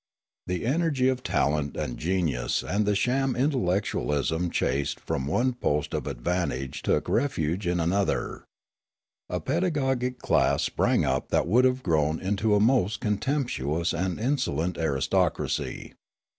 The energy of talent and genius, and the sham intellectualism chased from one post of vantage took refuge in another, A pedagogic class sprang up that would have grown into a most contemptuous and insol ent aristocracy.